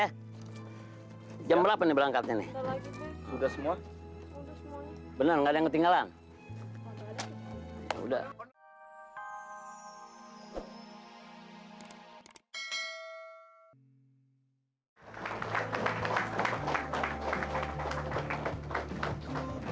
hai jam berapa nih berangkatnya nih udah semua bener nggak ada yang ketinggalan udah